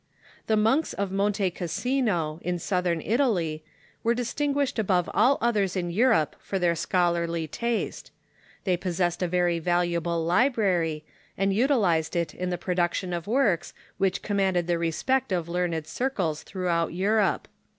The monks of Monte Cassino, in Southern Italy, were distinguished above all others in Europe for their scholarly taste. They pos sessed a very valuable library, and utilized it in the produc tion of works which commanded the respect of learned circles throughout Europe.